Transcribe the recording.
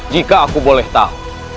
jika aku boleh tahu